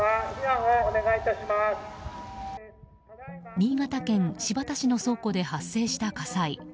新潟県新発田市の倉庫で発生した火災。